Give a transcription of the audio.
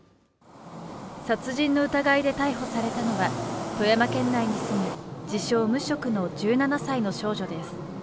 殺人の疑いで逮捕されたのは、富山県内に住む自称無職の１７歳の少女です。